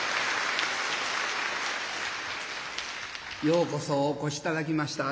ようこそお越し頂きました。